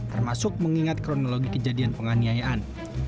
termasuk mengingat kronologi kejadian penganiayaan